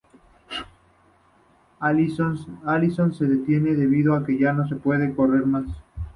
Allison se detiene debido a que ya no se puede correr más.